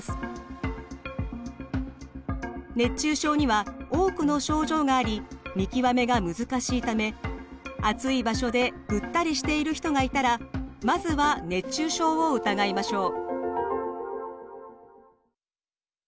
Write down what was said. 熱中症には多くの症状があり見極めが難しいため暑い場所でぐったりしている人がいたらまずは熱中症を疑いましょう。